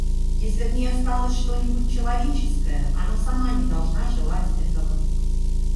Если в ней осталось что-нибудь человеческое, она сама не должна желать этого.